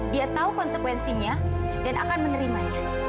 dia tahu konsekuensinya dan akan menerimanya